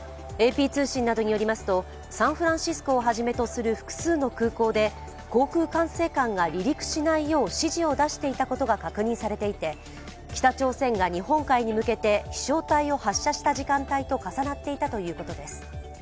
ＡＰ通信などによりますとサンフランシスコをはじめとする複数の空港で、航空管制官が離陸しないよう指示を出していたことが確認されていて北朝鮮が日本海に向けて飛翔体を発射した時間帯と重なっていたということです。